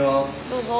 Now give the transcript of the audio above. どうぞ。